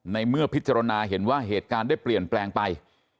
ในเมื่อพิจารณาเห็นว่าเหตุการณ์ได้เปลี่ยนแปลงไป